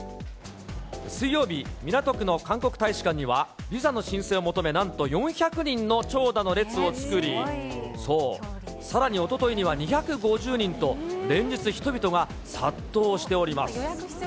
水曜日、港区の韓国大使館には、ビザの申請を求め、なんと４００人の長蛇の列を作り、さらに、おとといには２５０人と、連日、人々が殺到しております。